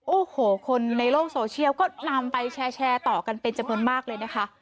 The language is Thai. โอ้โหคนในโลกโซเชียลก็นำไปแชร์ต่อกันเป็นจำนวนมากเลยนะคะ